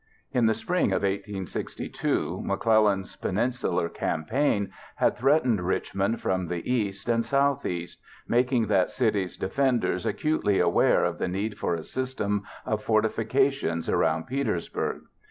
In the spring of 1862, McClellan's Peninsular Campaign had threatened Richmond from the east and southeast, making that city's defenders acutely aware of the need for a system of fortifications around Petersburg.